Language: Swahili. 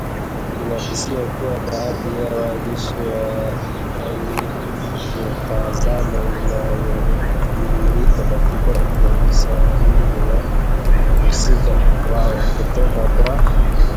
Inakisiwa kuwa baadhi ya waandishi walirithi mitazamo inayodhihirika katika usawiri wa wahusika wao kutoka kwa